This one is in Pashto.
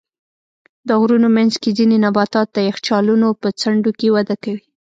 د غرونو منځ کې ځینې نباتات د یخچالونو په څنډو کې وده کوي.